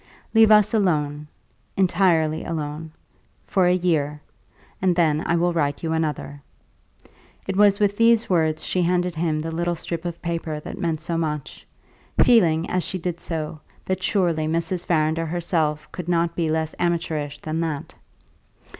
"Leave us alone entirely alone for a year, and then I will write you another": it was with these words she handed him the little strip of paper that meant so much, feeling, as she did so, that surely Mrs. Farrinder herself could not be less amateurish than that.